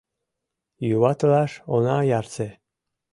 — Юватылаш она ярсе.